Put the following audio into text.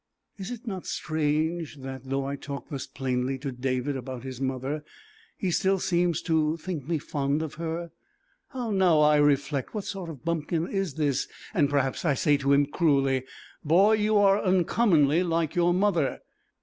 Is it not strange that, though I talk thus plainly to David about his mother, he still seems to think me fond of her? How now, I reflect, what sort of bumpkin is this, and perhaps I say to him cruelly: "Boy, you are uncommonly like your mother."